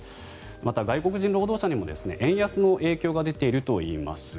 また、外国人労働者にも円安の影響が出ているといいます。